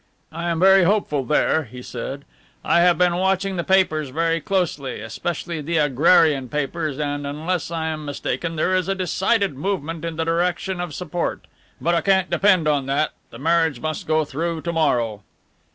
"I am very hopeful there," he said. "I have been watching the papers very closely, especially the Agrarian papers, and, unless I am mistaken, there is a decided movement in the direction of support. But I can't depend on that. The marriage must go through to morrow."